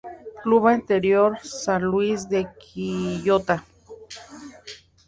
Club anterior San Luis de Quillota